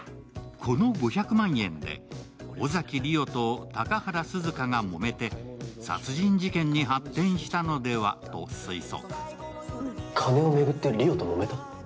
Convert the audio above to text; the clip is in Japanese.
この５００万円で尾崎莉桜と高原涼香がもめて殺人事件に発展したのではと推測。